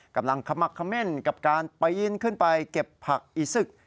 กำลังขมักเขม่นกับการปีนขึ้นไปเก็บผักอีซึก